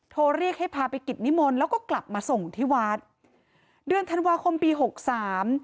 โทรเรียกให้พาไปกิจนิมนต์แล้วก็กลับมาส่งที่วัดเดือนธันวาคมปีหกสาม